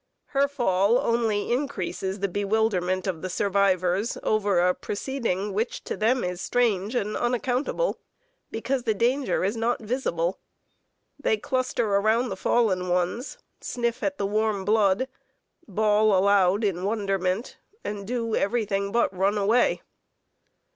Her fall only increases the bewilderment of the survivors over a proceeding which to them is strange and unaccountable, because the danger is not visible. They cluster around the fallen ones, sniff at the warm blood, bawl aloud in wonderment, and do everything but run away.